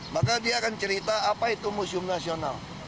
maka dia akan cerita apa itu museum nasional